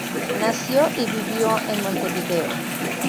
Nació y vivió en Montevideo.